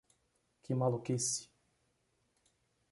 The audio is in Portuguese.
Que maluquice!